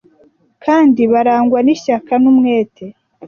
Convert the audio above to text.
kandi barangwa n ishyaka numwete